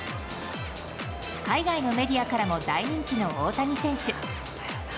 海外のメディアからも大人気の大谷選手。